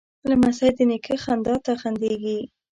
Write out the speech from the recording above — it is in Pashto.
لمسی د نیکه خندا ته خندېږي.